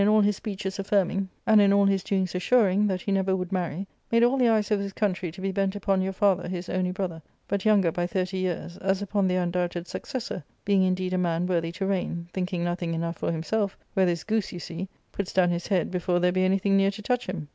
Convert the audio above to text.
^Book IIL all his speeches affirming, and in all his doings assuring, that he never would many, made all the eyes of this country to be bent upon your father, his only brother, but younger by thirty years, as upon the undoubted successor, being indeed a man worthy to reig^n, thinking nothing enough for himself; where this goose,* you see, puts down his head before there be anything near to touch him.